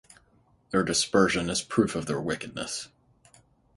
Their dispersion is proof of their wickedness.